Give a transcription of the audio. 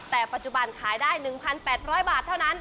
แต่ปัจจุบันขายได้๑๘๐๐บาทเท่านั้น